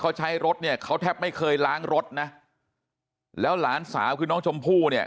เขาใช้รถเนี่ยเขาแทบไม่เคยล้างรถนะแล้วหลานสาวคือน้องชมพู่เนี่ย